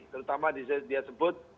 terutama di sini dia sebut